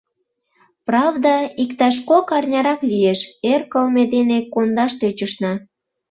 Правда, иктаж кок арнярак лиеш, эр кылме дене кондаш тӧчышна.